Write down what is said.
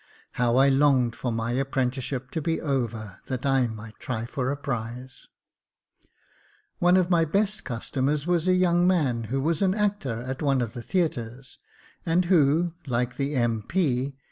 How I longed for my apprenticeship to be over, that I might try for a prize ! One of my best customers was a young man, who was an actor at one of the theatres, and who, like the M.P.